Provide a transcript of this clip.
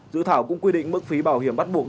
dự thảo cũng quy định mức phí bảo hiểm bắt buộc